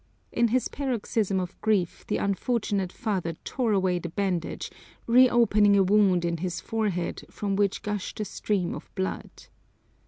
In his paroxysm of grief the unfortunate father tore away the bandage, reopening a wound in his forehead from which gushed a stream of blood.